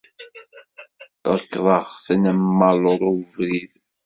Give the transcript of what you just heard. Rekkḍeɣ-ten am waluḍ ubrid.